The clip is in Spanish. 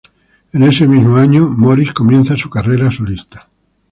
En ese mismo año, Moris comienza su carrera solista.